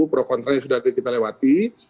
sebenarnya sudah kita lewati